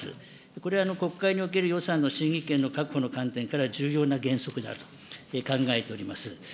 これ、国会における予算の審議権の確保の観点から重要な原則であると考えております。